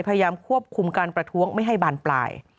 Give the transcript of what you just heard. พยายามควบคุมการประท้วงไม่ให้บานปลาย